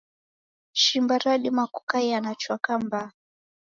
Shimba radima kukaia na chwaka mbaa.